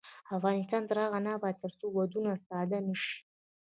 افغانستان تر هغو نه ابادیږي، ترڅو ودونه ساده نشي.